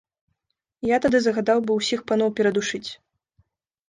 Я тады загадаў бы ўсіх паноў перадушыць.